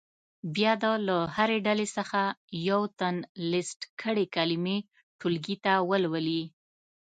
بیا دې له هرې ډلې څخه یو تن لیست کړې کلمې ټولګي ته ولولي.